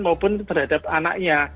maupun terhadap anaknya